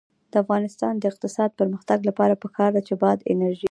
د افغانستان د اقتصادي پرمختګ لپاره پکار ده چې باد انرژي وي.